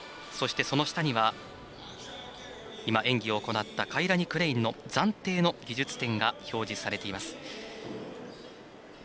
そして、その下には今、演技を行ったカイラニ・クレインの暫定の技術点が表示されています。